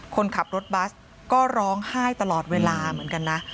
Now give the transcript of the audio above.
คนขับรถบัสก็ร้องไห้ตลอดเวลาเหมือนกันนะ